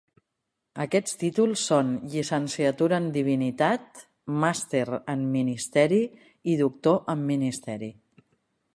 Aquests títols són Llicenciatura en Divinitat, Màster en Ministeri i Doctor en Ministeri.